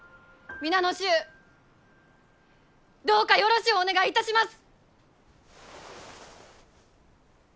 今後ともどうぞよろしゅうお願いいたします！